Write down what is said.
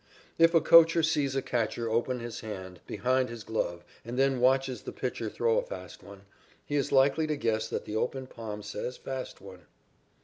If a coacher sees a catcher open his hand behind his glove and then watches the pitcher throw a fast one, he is likely to guess that the open palm says "Fast one."